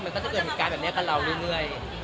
มันก็จะเกิดเหตุการณ์แบบนี้กับเราเรื่อย